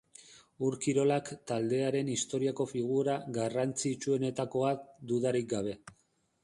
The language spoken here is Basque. Ur-Kirolak taldearen historiako figura garrantzitsuenetakoa, dudarik gabe.